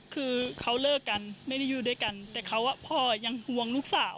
คือเขาเลิกกันไม่ได้อยู่ด้วยกันแต่เขาพ่อยังห่วงลูกสาว